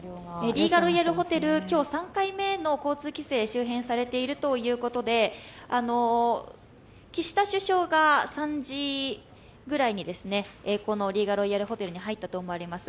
リーガロイヤルホテル、今日３回目の交通規制、周辺でされているということで岸田首相が３時くらいにこのリーガロイヤルホテルに入ったと思われます。